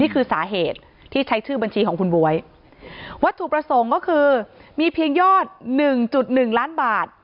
สาเหตุที่ใช้ชื่อบัญชีของคุณบ๊วยวัตถุประสงค์ก็คือมีเพียงยอดหนึ่งจุดหนึ่งล้านบาท